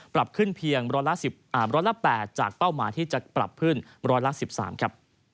ปรับขึ้นเพียงเมื่อร้อยละ๘จากเป้าหมายที่จะปรับขึ้นเมื่อร้อยละ๑๓